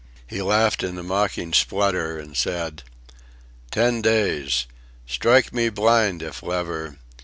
He laughed in a mocking splutter and said: "Ten days. Strike me blind if ever!...